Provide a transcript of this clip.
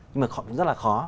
nhưng mà họ cũng rất là khó